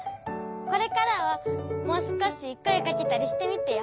これからはもうすこしこえかけたりしてみてよ。